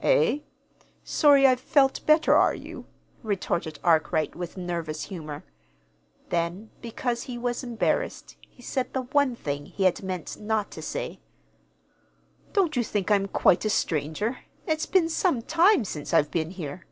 "Eh? Sorry I've felt better, are you?" retorted Arkwright, with nervous humor. Then, because he was embarrassed, he said the one thing he had meant not to say: "Don't you think I'm quite a stranger? It's been some time since I've been here."